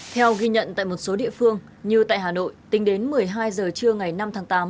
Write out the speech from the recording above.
theo ghi nhận tại một số địa phương như tại hà nội tính đến một mươi hai h trưa ngày năm tháng tám